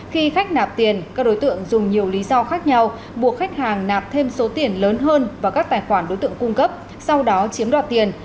khi khách nạp tiền các đối tượng dùng nhiều lý do khác nhau buộc khách hàng nạp thêm số tiền lớn hơn vào các tài khoản đối tượng cung cấp sau đó chiếm đoạt tiền